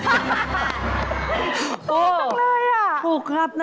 ตรงนั้นเลยล่ะถูกครับ